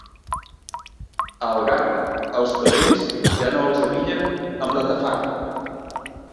A Algarra, als fadrins ja no els abillen amb la tafarra.